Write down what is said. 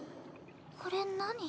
これ何？